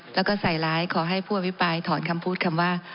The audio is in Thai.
แล้วก็ใส่ร้ายขอให้ผู้อภิปรายถอนคำพูดคำว่า